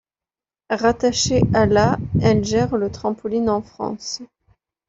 Rattachée à la elle gère le trampoline en France.